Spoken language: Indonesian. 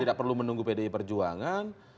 tidak perlu menunggu pdi perjuangan